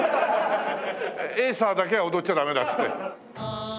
エイサーだけは踊っちゃダメだっつって。